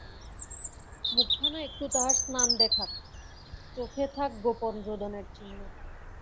মুখখানা একটু তাহার স্নান দেখাক, চোখে থাক গোপন রোদনের চিহ্ন?